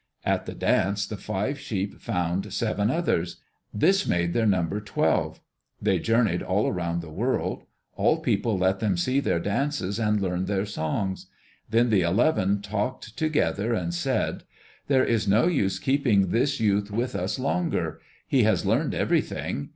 At the dance, the five sheep found seven others. This made their number twelve. They journeyed all around the world. All people let them see their dances and learn their songs. Then the eleven talked together and said, "There is no use keeping this youth with us longer. He has learned everything.